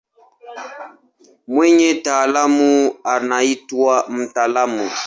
Mwenye taaluma anaitwa mtaalamu.